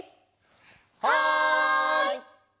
はい！